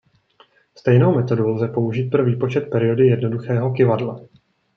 Stejnou metodu lze použít pro výpočet periody jednoduchého kyvadla.